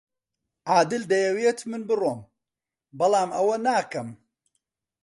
عادل دەیەوێت من بڕۆم، بەڵام ئەوە ناکەم.